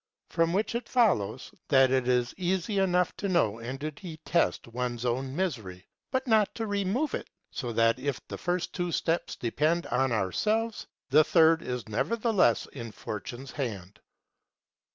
From which it follows that it is easy enough to know and to detest one's own misery, but not to remove it; so that if the two first steps depend on ourselves, the third is nevertheless in Fortune's hand.